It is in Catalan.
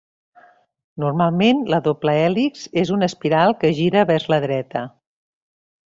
Normalment, la doble hèlix és una espiral que gira vers la dreta.